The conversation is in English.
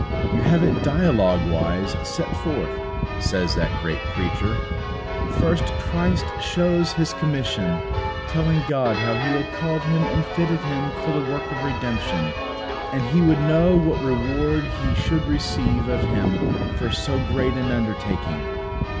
"You have it dialoguewise set forth," says that great preacher. "First Christ shows His commission, telling God how He had called Him and fitted Him for the work of redemption, and He would know what reward He should receive of Him for so great an undertaking.